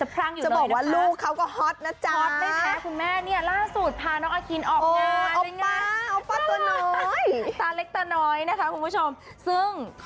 คงจะมีน้องให้น้องอคิณอย่างแน่นอนค่ะ